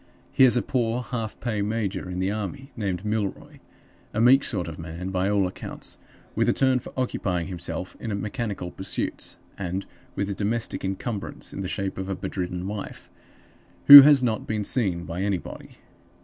He is a poor half pay major in the army, named Milroy, a meek sort of man, by all accounts, with a turn for occupying himself in mechanical pursuits, and with a domestic incumbrance in the shape of a bedridden wife, who has not been seen by anybody.